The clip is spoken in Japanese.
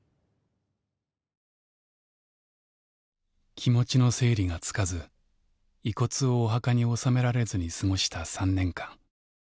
気持ちの整理がつかず遺骨をお墓に納められずに過ごした３年間。